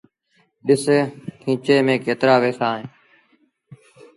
ڏس کينچي ميݩ ڪيترآ پئيٚسآ اهيݩ۔